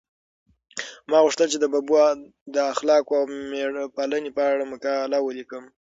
ما غوښتل چې د ببو د اخلاقو او مېړه پالنې په اړه مقاله ولیکم.